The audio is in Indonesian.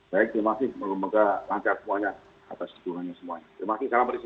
baik terima kasih semoga lancar semuanya atas hubungannya semuanya terima kasih salam dari sini